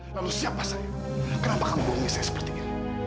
lalu siapa saya kenapa kamu bawa saya seperti ini